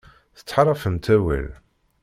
Tettḥaṛafemt awal.